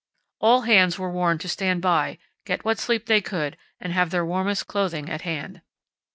All hands were warned to stand by, get what sleep they could, and have their warmest clothing at hand.